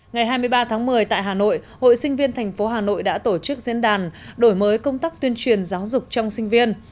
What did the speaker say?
ngày hai mươi ba tháng một mươi tại hà nội hội sinh viên thành phố hà nội đã tổ chức diễn đàn đổi mới công tác tuyên truyền giáo dục trong sinh viên